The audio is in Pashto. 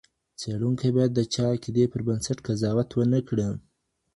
څېړونکی باید د چا د عقیدې پر بنسټ قضاوت ونکړي.